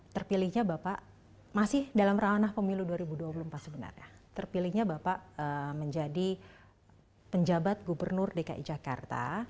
terpilihnya bapak masih dalam ranah pemilu dua ribu dua puluh empat sebenarnya terpilihnya bapak menjadi penjabat gubernur dki jakarta